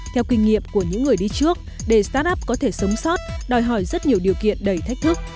theo kinh nghiệm của những người đi trước để start up có thể sống sót đòi hỏi rất nhiều điều kiện đầy thách thức